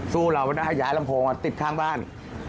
จะอยู่ต้องการ